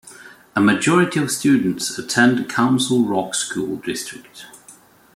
A majority of students attend Council Rock School District.